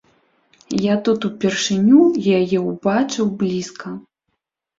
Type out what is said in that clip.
Я тут упершыню яе ўбачыў блізка.